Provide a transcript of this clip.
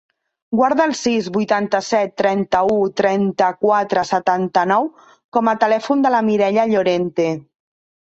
Guarda el sis, vuitanta-set, trenta-u, trenta-quatre, setanta-nou com a telèfon de la Mireia Llorente.